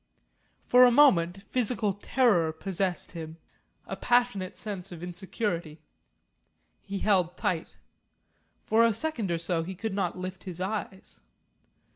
For a moment physical terror possessed him, a passionate sense of insecurity. He held tight. For a second or so he could not lift his eyes.